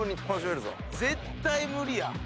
絶対無理や。